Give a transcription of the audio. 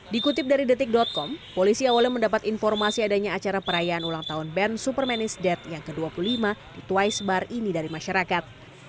dikutip dari detik com polisi awalnya mendapat informasi adanya acara perayaan ulang tahun band supermanis dead yang ke dua puluh lima di twist bar ini dari masyarakat